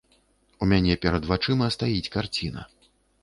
У мяне перад вачыма стаіць карціна.